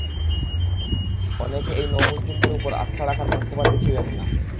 অনেকে এই নও মুসলিমদের উপর আস্থা রাখার পক্ষপাতী ছিলেন না।